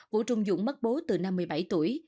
vũ trung dũng mất bố từ năm mươi bảy tuổi